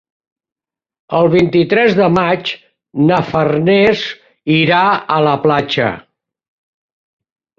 El vint-i-tres de maig na Farners irà a la platja.